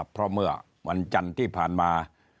เพราะเมื่อวันจันทร์ที่ผ่านมา